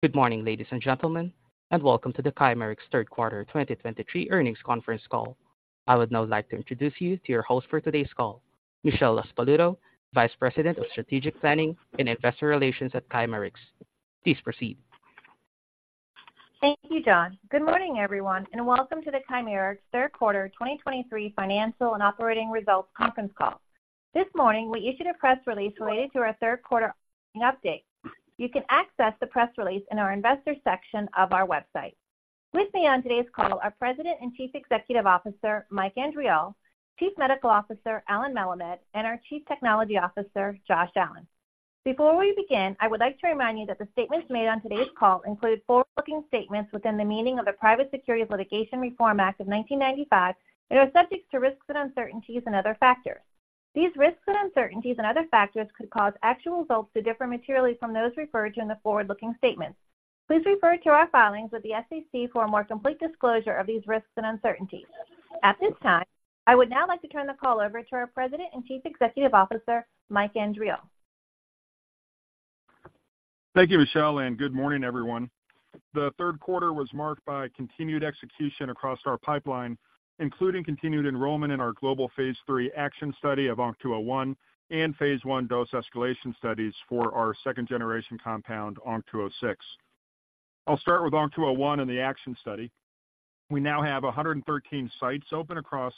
Good morning, ladies and gentlemen, and welcome to the Chimerix third quarter 2023 earnings conference call. I would now like to introduce you to your host for today's call, Michelle LaSpaluto, Vice President of Strategic Planning and Investor Relations at Chimerix. Please proceed. Thank you, John. Good morning, everyone, and welcome to the Chimerix third quarter 2023 financial and operating results conference call. This morning, we issued a press release related to our third quarter update. You can access the press release in our investor section of our website. With me on today's call are President and Chief Executive Officer, Mike Andriole, Chief Medical Officer, Allen Melemed, and our Chief Technology Officer, Josh Allen. Before we begin, I would like to remind you that the statements made on today's call include forward-looking statements within the meaning of the Private Securities Litigation Reform Act of 1995 and are subject to risks and uncertainties and other factors. These risks and uncertainties and other factors could cause actual results to differ materially from those referred to in the forward-looking statements. Please refer to our filings with the SEC for a more complete disclosure of these risks and uncertainties. At this time, I would now like to turn the call over to our President and Chief Executive Officer, Mike Andriole. Thank you, Michelle, and good morning, everyone. The third quarter was marked by continued execution across our pipeline, including continued enrollment in our global phase III ACTION study of ONC201 and phase I dose escalation studies for our second-generation compound, ONC206. I'll start with ONC201 and the ACTION study. We now have 113 sites open across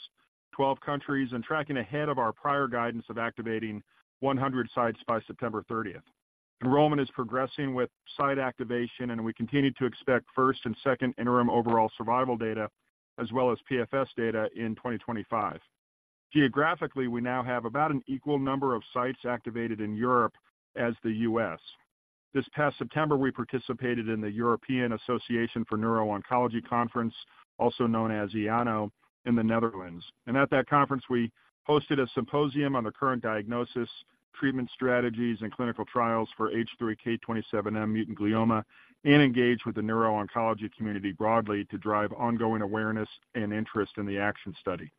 12 countries and tracking ahead of our prior guidance of activating 100 sites by September 30th. Enrollment is progressing with site activation, and we continue to expect first and second interim overall survival data as well as PFS data in 2025. Geographically, we now have about an equal number of sites activated in Europe as the U.S. This past September, we participated in the European Association for Neuro-Oncology conference, also known as EANO, in the Netherlands. At that conference, we hosted a symposium on the current diagnosis, treatment strategies, and clinical trials for H3 K27M-mutant glioma and engaged with the neuro-oncology community broadly to drive ongoing awareness and interest in the ACTION study.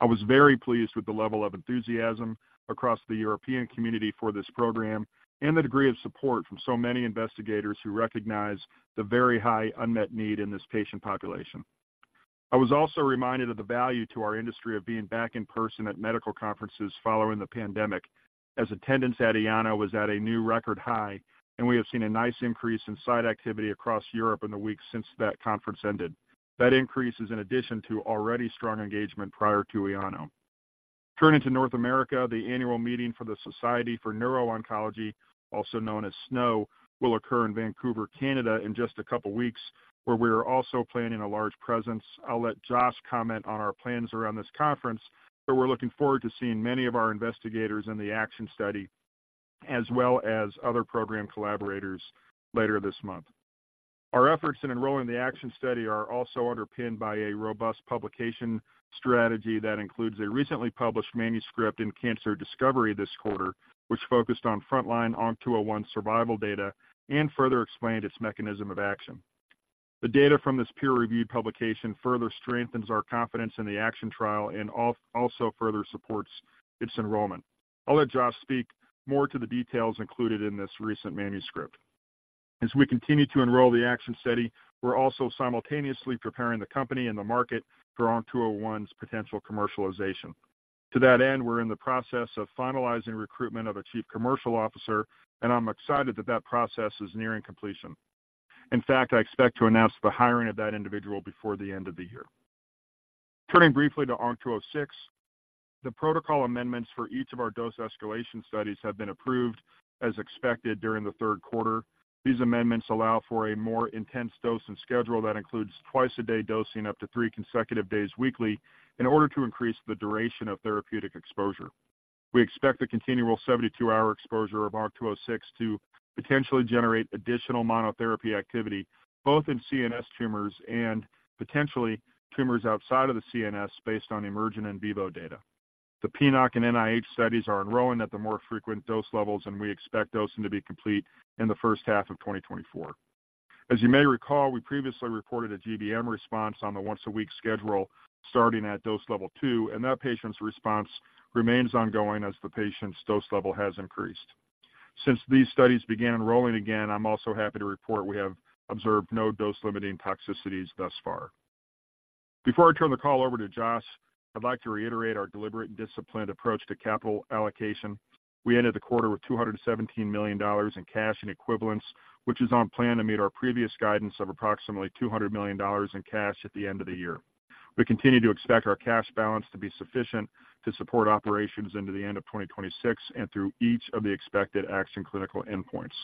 I was very pleased with the level of enthusiasm across the European community for this program and the degree of support from so many investigators who recognize the very high unmet need in this patient population. I was also reminded of the value to our industry of being back in person at medical conferences following the pandemic, as attendance at EANO was at a new record high, and we have seen a nice increase in site activity across Europe in the weeks since that conference ended. That increase is in addition to already strong engagement prior to EANO. Turning to North America, the annual meeting for the Society for Neuro-Oncology, also known as SNO, will occur in Vancouver, Canada, in just a couple weeks, where we are also planning a large presence. I'll let Josh comment on our plans around this conference, but we're looking forward to seeing many of our investigators in the ACTION study, as well as other program collaborators later this month. Our efforts in enrolling the ACTION study are also underpinned by a robust publication strategy that includes a recently published manuscript in Cancer Discovery this quarter, which focused on frontline ONC201 survival data and further explained its mechanism of action. The data from this peer-reviewed publication further strengthens our confidence in the ACTION trial and also further supports its enrollment. I'll let Josh speak more to the details included in this recent manuscript. As we continue to enroll the ACTION study, we're also simultaneously preparing the company and the market for ONC201's potential commercialization. To that end, we're in the process of finalizing recruitment of a chief commercial officer, and I'm excited that that process is nearing completion. In fact, I expect to announce the hiring of that individual before the end of the year. Turning briefly to ONC206, the protocol amendments for each of our dose escalation studies have been approved as expected during the third quarter. These amendments allow for a more intense dosing schedule that includes twice-a-day dosing up to three consecutive days weekly in order to increase the duration of therapeutic exposure. We expect the continual 72-hour exposure of ONC206 to potentially generate additional monotherapy activity, both in CNS tumors and potentially tumors outside of the CNS, based on emerging in vivo data. The PNOC and NIH studies are enrolling at the more frequent dose levels, and we expect dosing to be complete in the first half of 2024. As you may recall, we previously reported a GBM response on the once-a-week schedule starting at dose level two, and that patient's response remains ongoing as the patient's dose level has increased. Since these studies began enrolling again, I'm also happy to report we have observed no dose-limiting toxicities thus far. Before I turn the call over to Josh, I'd like to reiterate our deliberate and disciplined approach to capital allocation. We ended the quarter with $217 million in cash and equivalents, which is on plan to meet our previous guidance of approximately $200 million in cash at the end of the year. We continue to expect our cash balance to be sufficient to support operations into the end of 2026 and through each of the expected ACTION clinical endpoints.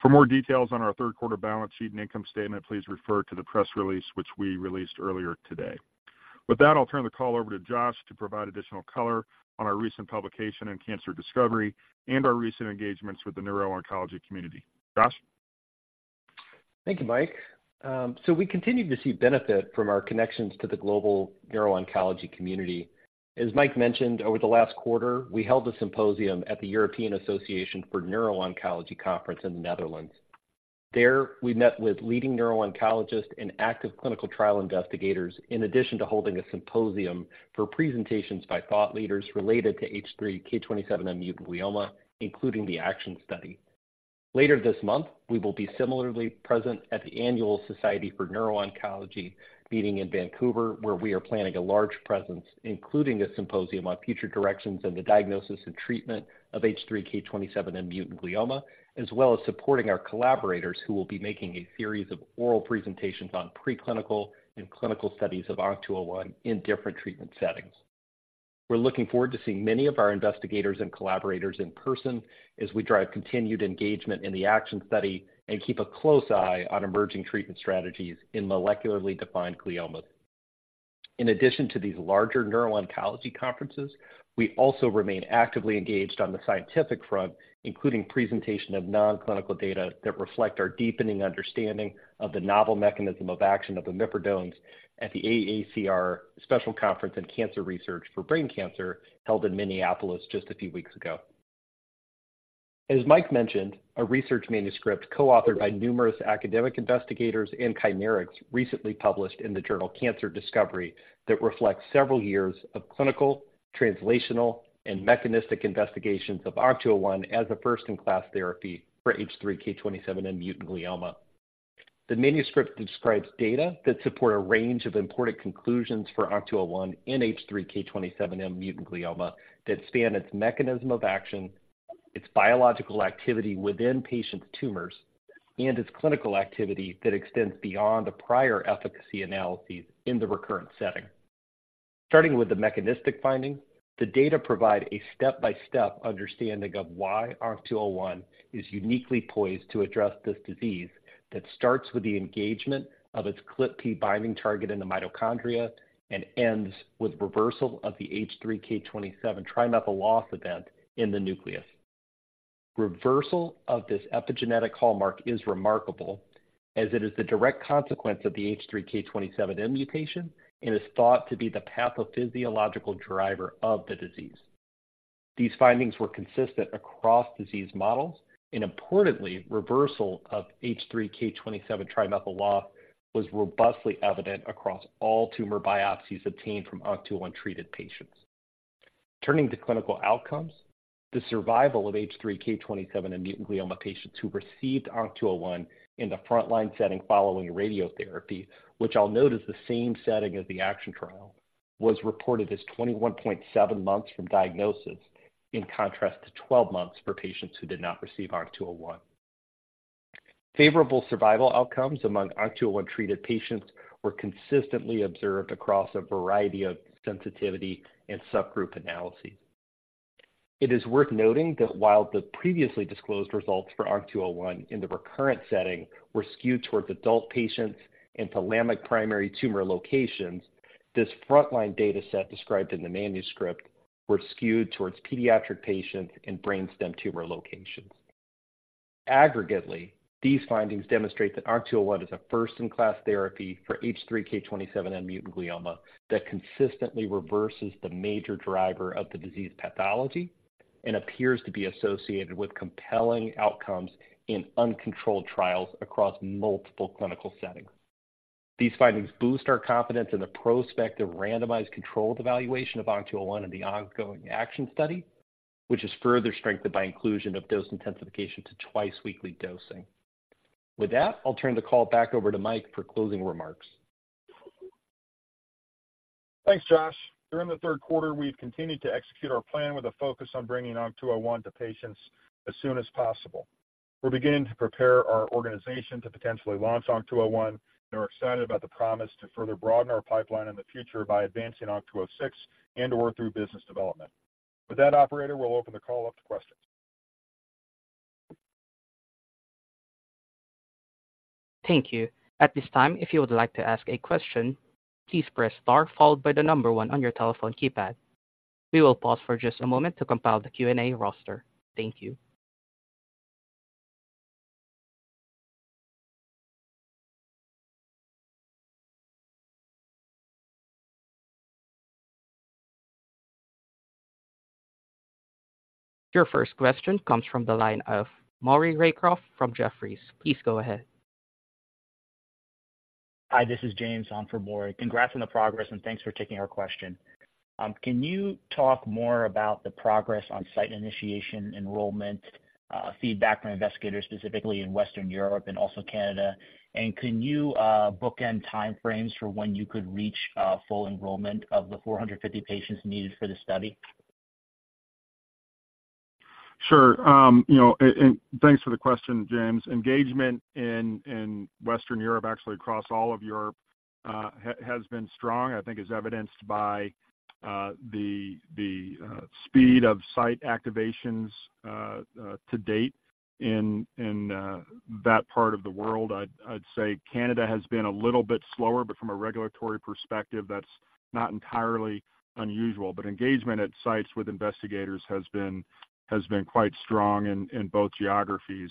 For more details on our third quarter balance sheet and income statement, please refer to the press release, which we released earlier today. With that, I'll turn the call over to Josh to provide additional color on our recent publication in Cancer Discovery and our recent engagements with the neuro-oncology community. Josh? Thank you, Mike. So we continue to see benefit from our connections to the global neuro-oncology community. As Mike mentioned, over the last quarter, we held a symposium at the European Association for Neuro-Oncology conference in the Netherlands. There, we met with leading neuro-oncologists and active clinical trial investigators, in addition to holding a symposium for presentations by thought leaders related to H3 K27M-mutant glioma, including the ACTION study. Later this month, we will be similarly present at the Annual Society for Neuro-Oncology meeting in Vancouver, where we are planning a large presence, including a symposium on future directions and the diagnosis and treatment of H3 K27M-mutant glioma, as well as supporting our collaborators, who will be making a series of oral presentations on preclinical and clinical studies of ONC201 in different treatment settings. We're looking forward to seeing many of our investigators and collaborators in person as we drive continued engagement in the ACTION study and keep a close eye on emerging treatment strategies in molecularly defined gliomas. In addition to these larger neuro-oncology conferences, we also remain actively engaged on the scientific front, including presentation of nonclinical data that reflect our deepening understanding of the novel mechanism of action of the imipridones at the AACR Special Conference on Cancer Research for Brain Cancer, held in Minneapolis just a few weeks ago. As Mike mentioned, a research manuscript co-authored by numerous academic investigators and Chimerix, recently published in the journal Cancer Discovery, that reflects several years of clinical, translational, and mechanistic investigations of ONC201 as a first-in-class therapy for H3 K27M-mutant glioma. The manuscript describes data that support a range of important conclusions for ONC201 in H3 K27M-mutant glioma, that span its mechanism of action, its biological activity within patients' tumors, and its clinical activity that extends beyond the prior efficacy analyses in the recurrent setting. Starting with the mechanistic finding, the data provide a step-by-step understanding of why ONC201 is uniquely poised to address this disease, that starts with the engagement of its ClpP binding target in the mitochondria and ends with reversal of the H3 K27 trimethyl loss event in the nucleus. Reversal of this epigenetic hallmark is remarkable, as it is the direct consequence of the H3 K27M mutation and is thought to be the pathophysiological driver of the disease. These findings were consistent across disease models, and importantly, reversal of H3 K27 trimethyl loss was robustly evident across all tumor biopsies obtained from ONC201 treated patients. Turning to clinical outcomes, the survival of H3 K27M mutant glioma patients who received ONC201 in the frontline setting following radiotherapy, which I'll note is the same setting as the ACTION trial, was reported as 21.7 months from diagnosis, in contrast to 12 months for patients who did not receive ONC201. Favorable survival outcomes among ONC201 treated patients were consistently observed across a variety of sensitivity and subgroup analyses. It is worth noting that while the previously disclosed results for ONC201 in the recurrent setting were skewed towards adult patients and thalamic primary tumor locations, this frontline data set described in the manuscript were skewed towards pediatric patients and brain stem tumor locations. Aggregately, these findings demonstrate that ONC201 is a first-in-class therapy for H3 K27M-mutant glioma that consistently reverses the major driver of the disease pathology and appears to be associated with compelling outcomes in uncontrolled trials across multiple clinical settings. These findings boost our confidence in the prospective randomized controlled evaluation of ONC201 in the ongoing ACTION study, which is further strengthened by inclusion of dose intensification to twice-weekly dosing. With that, I'll turn the call back over to Mike for closing remarks. Thanks, Josh. During the third quarter, we've continued to execute our plan with a focus on bringing ONC201 to patients as soon as possible. We're beginning to prepare our organization to potentially launch ONC201, and are excited about the promise to further broaden our pipeline in the future by advancing ONC206 and or through business development. With that, operator, we'll open the call up to questions. Thank you. At this time, if you would like to ask a question, please press Star, followed by the number one on your telephone keypad. We will pause for just a moment to compile the Q&A roster. Thank you. Your first question comes from the line of Maury Raycroft from Jefferies. Please go ahead. Hi, this is James on for Maury. Congrats on the progress, and thanks for taking our question. Can you talk more about the progress on site initiation, enrollment, feedback from investigators, specifically in Western Europe and also Canada? And can you bookend time frames for when you could reach full enrollment of the 450 patients needed for the study? Sure. You know, and thanks for the question, James. Engagement in Western Europe, actually across all of Europe, has been strong, I think is evidenced by the speed of site activations to date in that part of the world. I'd say Canada has been a little bit slower, but from a regulatory perspective, that's not entirely unusual. But engagement at sites with investigators has been quite strong in both geographies.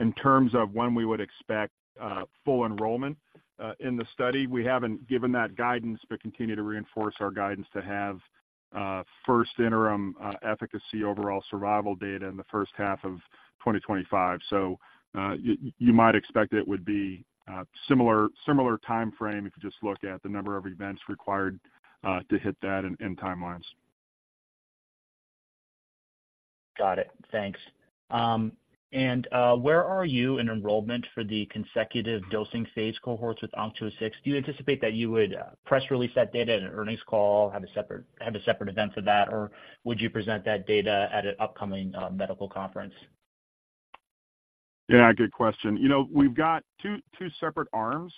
In terms of when we would expect full enrollment in the study, we haven't given that guidance, but continue to reinforce our guidance to have first interim efficacy overall survival data in the first half of 2025. So, you might expect it would be similar time frame if you just look at the number of events required to hit that in timelines. Got it. Thanks. And where are you in enrollment for the consecutive dosing phase cohorts with ONC206? Do you anticipate that you would press release that data in an earnings call, have a separate, have a separate event for that, or would you present that data at an upcoming medical conference? Yeah, good question. You know, we've got two separate arms,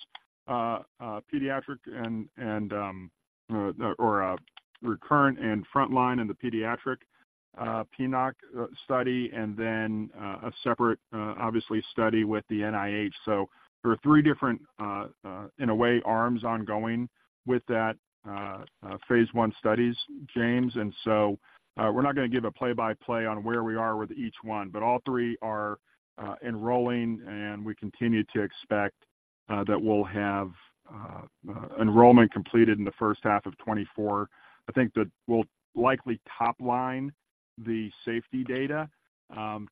pediatric and recurrent and frontline in the pediatric PNOC study, and then a separate obviously study with the NIH. So there are three different, in a way, arms ongoing with that, phase I studies, James. And so, we're not going to give a play-by-play on where we are with each one, but all three are enrolling, and we continue to expect that we'll have enrollment completed in the first half of 2024. I think that we'll likely top-line the safety data,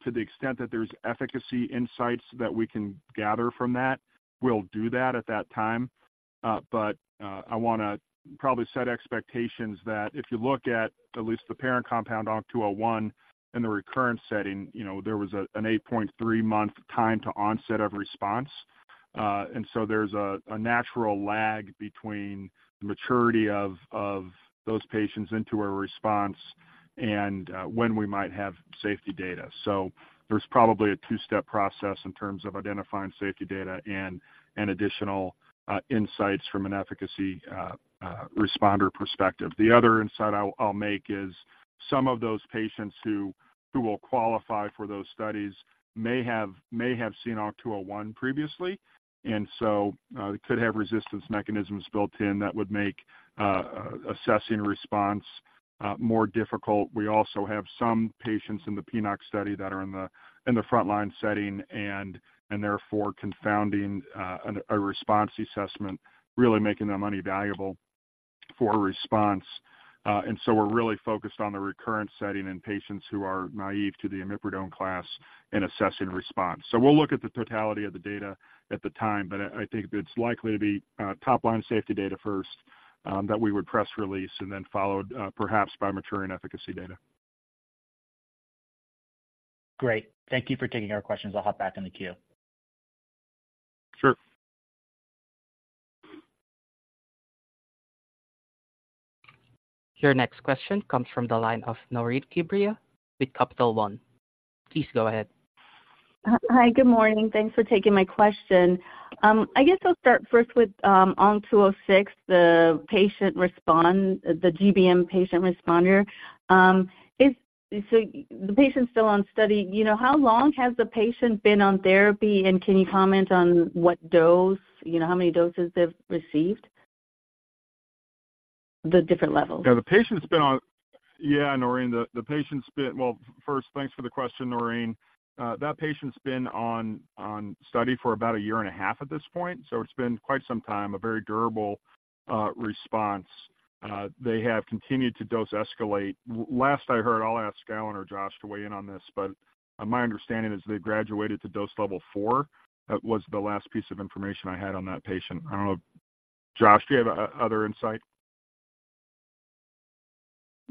to the extent that there's efficacy insights that we can gather from that. We'll do that at that time. But I want to probably set expectations that if you look at at least the parent compound, ONC-201, in the recurrent setting, you know, there was an 8.3-month time to onset of response. And so there's a natural lag between the maturity of those patients into a response and when we might have safety data. So there's probably a two step process in terms of identifying safety data and additional insights from an efficacy responder perspective. The other insight I'll make is some of those patients who will qualify for those studies may have seen ONC-201 previously, and so could have resistance mechanisms built in that would make assessing response more difficult. We also have some patients in the PNOC study that are in the frontline setting and therefore confounding a response assessment, really making them invaluable for a response. And so we're really focused on the recurrent setting in patients who are naive to the imipridone class in assessing response. So we'll look at the totality of the data at the time, but I think it's likely to be top-line safety data first that we would press release and then followed perhaps by maturing efficacy data. Great. Thank you for taking our questions. I'll hop back in the queue. Sure. Your next question comes from the line of Naureen Quibria with Capital One. Please go ahead. Hi. Good morning. Thanks for taking my question. I guess I'll start first with ONC206, the patient response, the GBM patient responder. So the patient's still on study, you know, how long has the patient been on therapy, and can you comment on what dose, you know, how many doses they've received? The different levels. Well, first, thanks for the question, Noreen. That patient's been on study for about a year and a half at this point, so it's been quite some time, a very durable response. They have continued to dose escalate. Last I heard, I'll ask Allen or Josh to weigh in on this, but my understanding is they graduated to dose level four. That was the last piece of information I had on that patient. I don't know. Josh, do you have other insight?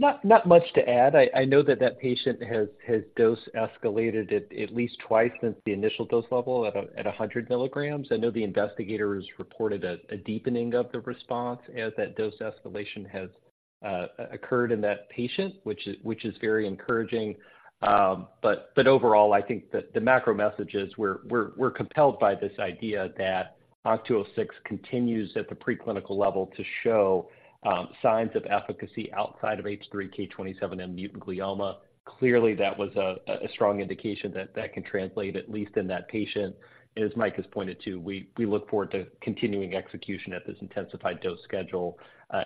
Not much to add. I know that patient has dose escalated at least twice since the initial dose level at 100 milligrams. I know the investigator has reported a deepening of the response as that dose escalation has occurred in that patient, which is very encouraging. But overall, I think the macro message is we're compelled by this idea that ONC206 continues at the preclinical level to show signs of efficacy outside of H3 K27M-mutant glioma. Clearly, that was a strong indication that can translate, at least in that patient. As Mike has pointed to, we look forward to continuing execution at this intensified dose schedule,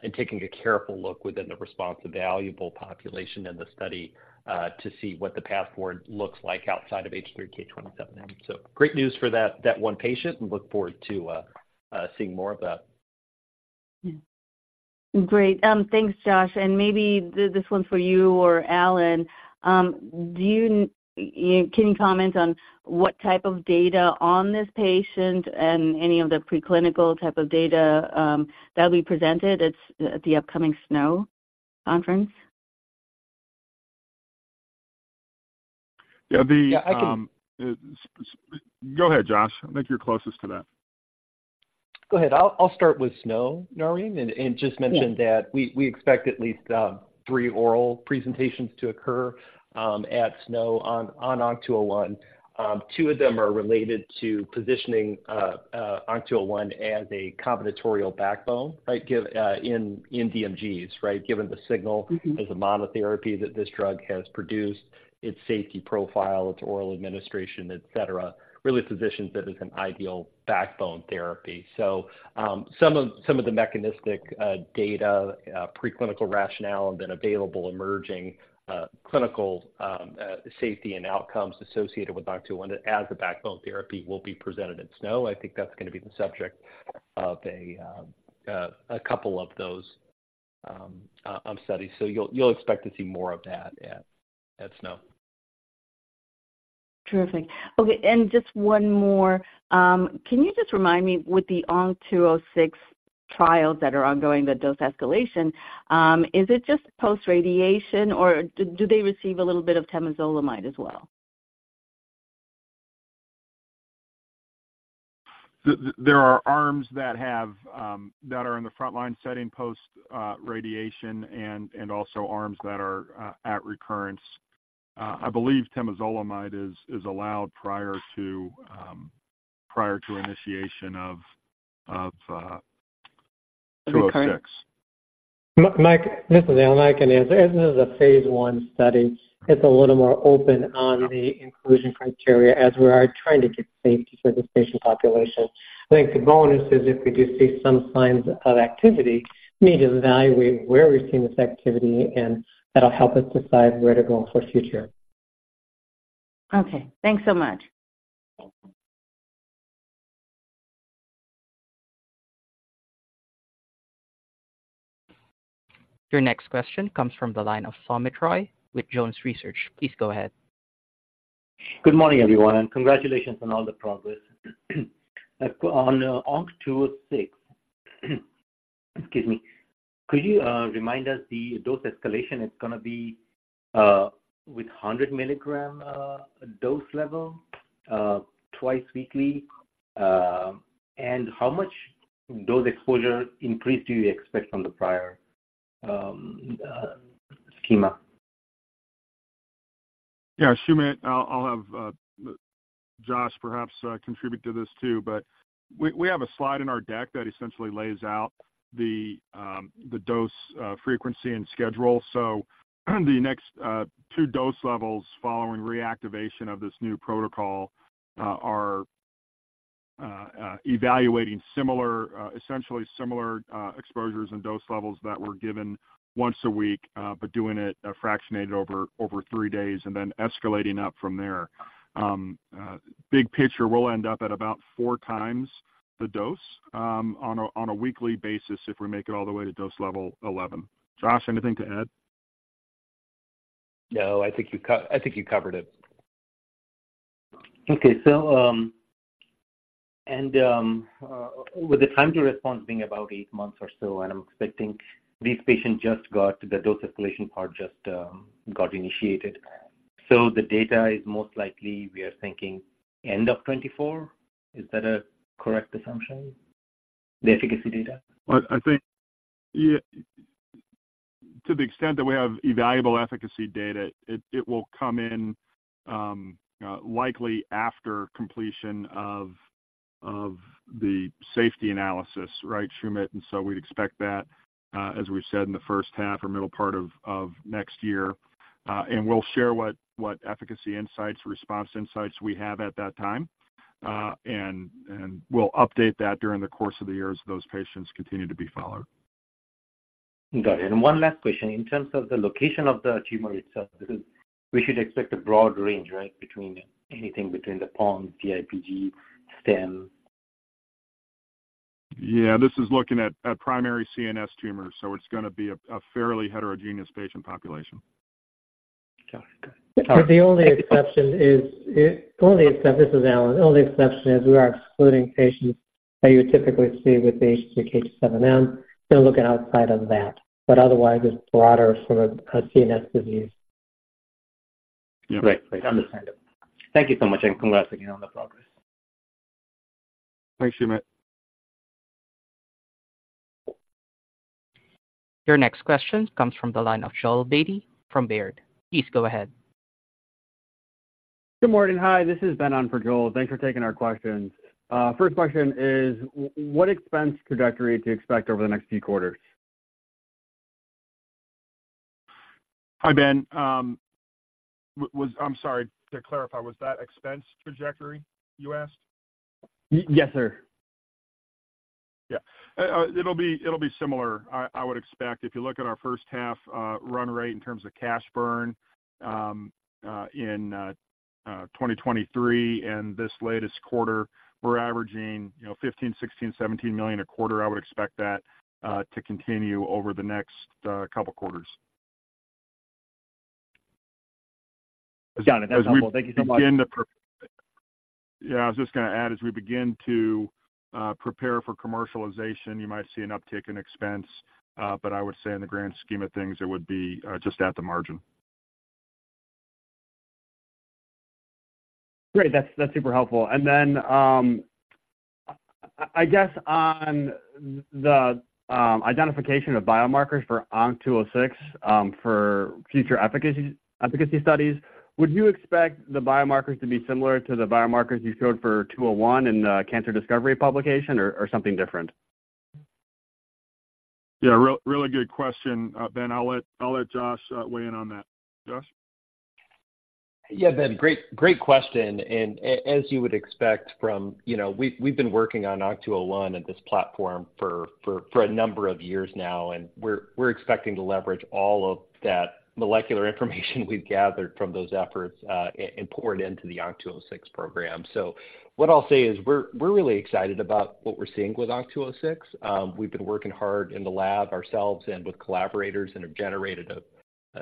and taking a careful look within the response of valuable population in the study, to see what the path forward looks like outside of H3 K27M. Great news for that one patient. We look forward to seeing more of that. Great. Thanks, Josh, and maybe this one's for you or Allen. Do you, can you comment on what type of data on this patient and any of the preclinical type of data, that'll be presented at the upcoming SNO conference? Yeah, the- Yeah, I can- Go ahead, Josh. I think you're closest to that. Go ahead. I'll start with SNO, Noreen, and just mention that we expect at least three oral presentations to occur at SNO on ONC201. Two of them are related to positioning ONC201 as a combinatorial backbone, right? In DMGs, right? Given the signal as a monotherapy that this drug has produced, its safety profile, its oral administration, et cetera, really positions it as an ideal backbone therapy. So, some of the mechanistic data, preclinical rationale and then available emerging clinical safety and outcomes associated with ONC201 as a backbone therapy will be presented in SNO. I think that's going to be the subject of a couple of those studies. So you'll expect to see more of that at SNO. Terrific. Okay, and just one more. Can you just remind me, with the ONC-206 trials that are ongoing, the dose escalation, is it just post-radiation, or do they receive a little bit of temozolomide as well? There are arms that have that are in the frontline setting, post radiation and also arms that are at recurrence. I believe temozolomide is allowed prior to initiation of 206. Mike, this is Allen. I can answer. As this is a phase I study, it's a little more open on the inclusion criteria as we are trying to get safety for this patient population. I think the bonus is if we do see some signs of activity, we need to evaluate where we've seen this activity, and that'll help us decide where to go for future. Okay, thanks so much. Your next question comes from the line of Soumit Roy with Jones Research. Please go ahead. Good morning, everyone, and congratulations on all the progress. On ONC206. Excuse me. Could you remind us the dose escalation is going to be with 100 milligram dose level twice weekly? And how much dose exposure increase do you expect from the prior schema? Yeah, Soumit, I'll have Josh perhaps contribute to this too, but we have a slide in our deck that essentially lays out the dose frequency and schedule. So the next two dose levels following reactivation of this new protocol are evaluating similar, essentially similar, exposures and dose levels that were given once a week, but doing it fractionated over three days and then escalating up from there. Big picture, we'll end up at about 4x the dose on a weekly basis if we make it all the way to dose level 11. Josh, anything to add? No, I think you covered it. Okay. So, with the time to response being about eight months or so, and I'm expecting these patients just got, the dose escalation part just got initiated. So the data is most likely, we are thinking end of 2024. Is that a correct assumption, the efficacy data? I think, yeah, to the extent that we have evaluable efficacy data, it will come in, likely after completion of the safety analysis. Right, Soumit? And so we'd expect that, as we've said, in the first half or middle part of next year. And we'll share what efficacy insights, response insights we have at that time. And we'll update that during the course of the year as those patients continue to be followed. Got it. One last question. In terms of the location of the tumor itself, we should expect a broad range, right, between anything between the pons, DIPG, stem? Yeah, this is looking at a primary CNS tumor, so it's going to be a fairly heterogeneous patient population. Got it. Got it. The only exception is... This is Allen. The only exception is we are excluding patients that you would typically see with H3 K27M and looking outside of that, but otherwise it's broader for a CNS disease. Yeah. Great. Understandable. Thank you so much, and congrats again on the progress. Thanks, Soumit. Your next question comes from the line of Joel Beatty from Baird. Please go ahead. Good morning. Hi, this is Ben on for Joel. Thanks for taking our questions. First question is, what expense trajectory to expect over the next few quarters? Hi, Ben. I'm sorry. To clarify, was that expense trajectory, you asked? Yes, sir. Yeah. It'll be, it'll be similar. I would expect. If you look at our first half run rate in terms of cash burn in 2023 and this latest quarter, we're averaging, you know, $15 million-$17 million a quarter. I would expect that to continue over the next couple quarters. Got it. That's helpful. Thank you so much. Yeah. I was just going to add, as we begin to prepare for commercialization, you might see an uptick in expense, but I would say in the grand scheme of things, it would be just at the margin. Great. That's, that's super helpful. And then, I guess on the identification of biomarkers for ONC206, for future efficacy, efficacy studies, would you expect the biomarkers to be similar to the biomarkers you showed for ONC201 in the Cancer Discovery publication or something different? Yeah, really good question, Ben. I'll let Josh weigh in on that. Josh? Yeah, Ben, great, great question. As you would expect from, you know, we've been working on ONC201 and this platform for a number of years now, and we're expecting to leverage all of that molecular information we've gathered from those efforts, and pour it into the ONC206 program. So what I'll say is we're really excited about what we're seeing with ONC206. We've been working hard in the lab ourselves and with collaborators and have generated,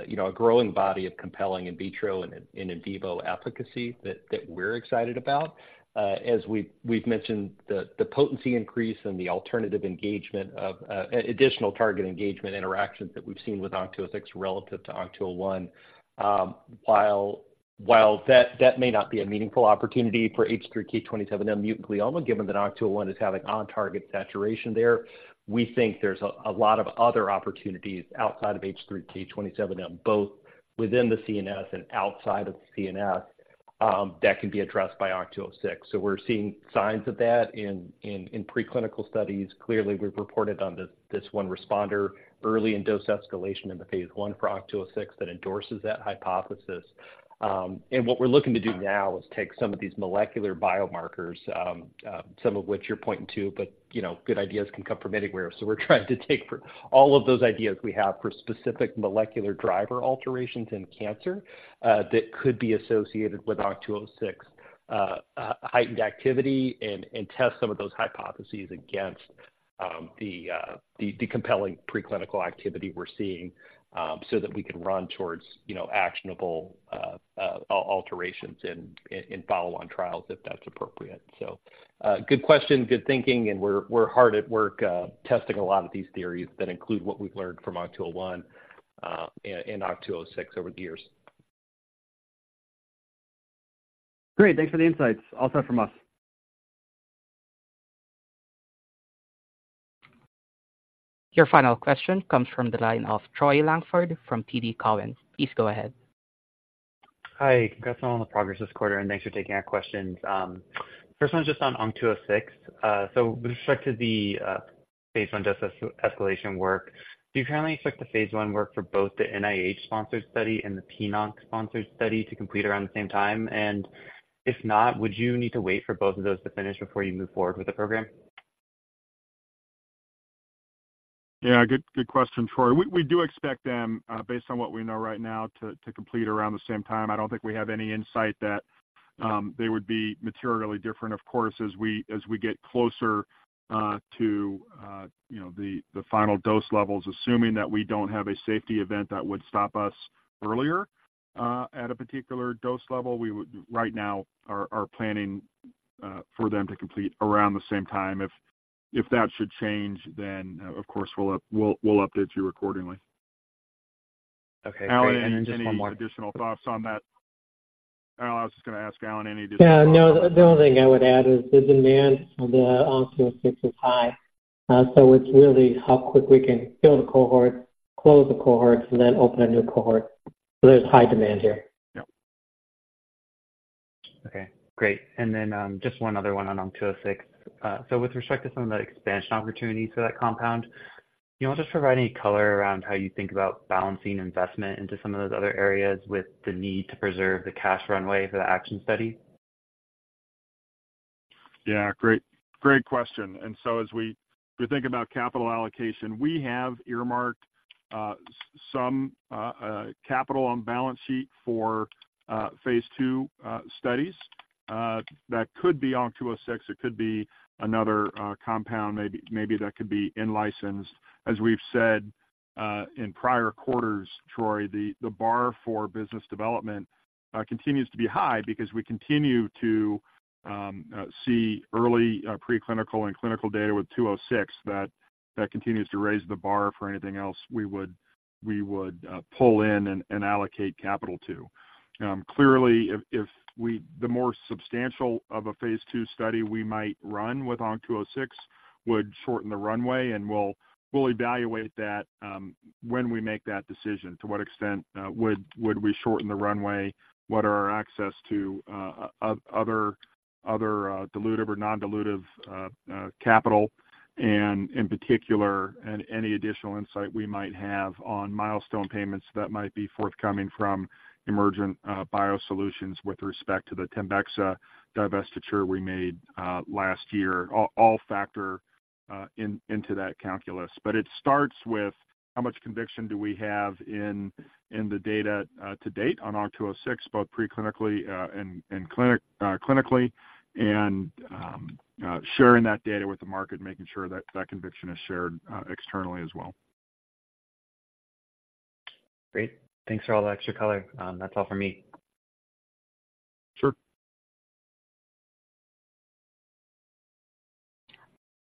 you know, a growing body of compelling in vitro and in vivo data that we're excited about. As we've mentioned, the potency increase and the alternative engagement of additional target engagement interactions that we've seen with ONC206 relative to ONC201. While that may not be a meaningful opportunity for H3 K27M-mutant glioma, given that ONC201 is having on-target saturation there, we think there's a lot of other opportunities outside of H3 K27M, both within the CNS and outside of the CNS, that can be addressed by ONC206. So we're seeing signs of that in preclinical studies. Clearly, we've reported on this one responder early in dose escalation in the phase I for ONC206 that endorses that hypothesis. And what we're looking to do now is take some of these molecular biomarkers, some of which you're pointing to, but you know, good ideas can come from anywhere. So we're trying to take for all of those ideas we have for specific molecular driver alterations in cancer, that could be associated with ONC206, heightened activity and test some of those hypotheses against the compelling preclinical activity we're seeing, so that we can run towards, you know, actionable alterations in follow-on trials, if that's appropriate. So, good question, good thinking, and we're hard at work testing a lot of these theories that include what we've learned from ONC201 and ONC206 over the years. Great. Thanks for the insights. All set from us. Your final question comes from the line of Troy Langford from TD Cowen. Please go ahead. Hi, congrats on the progress this quarter, and thanks for taking our questions. First one's just on ONC206. So with respect to the phase I dose escalation work, do you currently expect the phase I work for both the NIH-sponsored study and the PNOC-sponsored study to complete around the same time? And if not, would you need to wait for both of those to finish before you move forward with the program? Yeah, good, good question, Troy. We do expect them, based on what we know right now, to complete around the same time. I don't think we have any insight that they would be materially different. Of course, as we get closer to you know, the final dose levels, assuming that we don't have a safety event that would stop us earlier at a particular dose level, we would. Right now, we are planning for them to complete around the same time. If that should change, then, of course, we'll update you accordingly. Okay, great. Allen, any additional thoughts on that? Oh, I was just gonna ask Allen, any additional. Yeah, no, the only thing I would add is the demand for the ONC206 is high, so it's really how quick we can fill the cohort, close the cohort, and then open a new cohort. So there's high demand here. Yep. Okay, great. And then, just one other one on ONC206. So with respect to some of the expansion opportunities for that compound, can you all just provide any color around how you think about balancing investment into some of those other areas with the need to preserve the cash runway for the ACTION study? Yeah, great. Great question. And so as we think about capital allocation, we have earmarked some capital on balance sheet for phase II studies. That could be ONC206, it could be another compound, maybe, maybe that could be in-licensed. As we've said in prior quarters, Troy, the bar for business development continues to be high because we continue to see early preclinical and clinical data with 206 that continues to raise the bar for anything else we would pull in and allocate capital to. Clearly, if the more substantial of a phase II study we might run with ONC206 would shorten the runway, and we'll evaluate that when we make that decision. To what extent would we shorten the runway? What are our access to other dilutive or non-dilutive capital? And in particular, any additional insight we might have on milestone payments that might be forthcoming from Emergent BioSolutions with respect to the TEMBEXA divestiture we made last year, all factor into that calculus. But it starts with how much conviction do we have in the data to date on ONC206, both preclinically and clinically, and sharing that data with the market, making sure that that conviction is shared externally as well. Great. Thanks for all the extra color. That's all for me. Sure.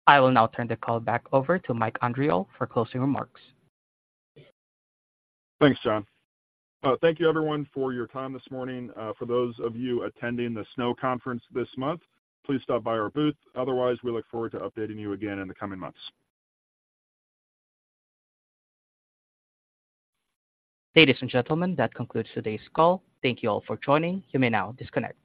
I will now turn the call back over to Mike Andriole for closing remarks. Thanks, John. Thank you, everyone, for your time this morning. For those of you attending the SNO Conference this month, please stop by our booth. Otherwise, we look forward to updating you again in the coming months. Ladies and gentlemen, that concludes today's call. Thank you all for joining. You may now disconnect.